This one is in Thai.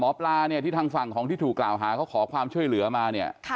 หมอปลานี่ทางฝั่งของที่ถูกกล่าวพอคอความช่วยเหลือมา